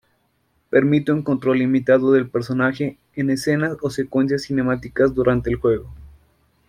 Permite un control limitado del personaje en escenas o secuencias cinemáticas durante el juego.